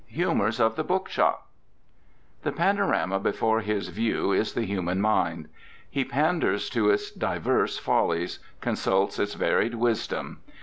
XIX HUMOURS OP THE BOOK SHOP The panorama before his view is the human mind. He panders to its divers follies, consults its varied wisdom.